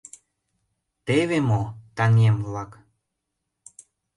— Теве мо, таҥем-влак!